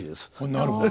なるほど。